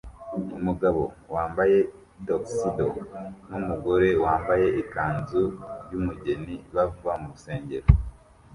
Umugabo wambaye tuxedo numugore wambaye ikanzu yumugeni bava mu rusengero